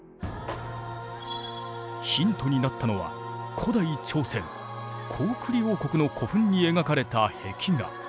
ヒントになったのは古代朝鮮高句麗王国の古墳に描かれた壁画。